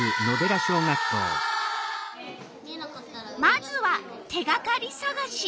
まずは手がかりさがし。